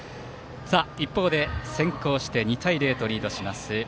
一方で先攻して２対０とリードします